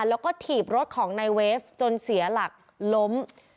แล้วก็ถีบรถของนายเวฟจนเสียหลักล้ม